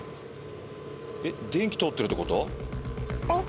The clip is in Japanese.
電気通ってるってこと？